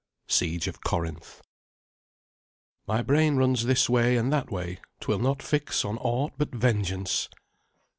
SIEGE OF CORINTH. "My brain runs this way and that way; 'twill not fix On aught but vengeance."